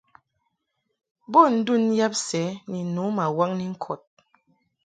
Bo ndun yab sɛ ni nu ma waŋni ŋkɔd.